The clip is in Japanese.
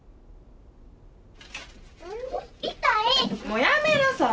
もうやめなさい！